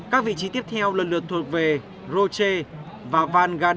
các vị trí tiếp theo lần lượt thuộc về roche và van gand